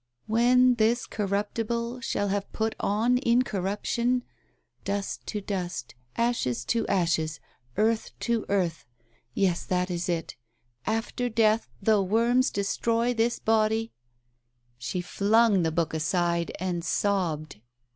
"'When this corruptible shall have put on incorruption '' Dust to dust, ashes to ashes, earth to earth ' Yes, that is it. ' After death, though worms destroy this body '" She flung the book aside and sobbed.